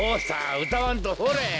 うたわんとほれ。